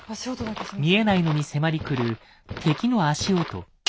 見えないのに迫り来る敵の足音。